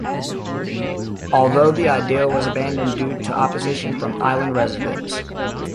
Although, the idea was abandoned due to opposition from island residents.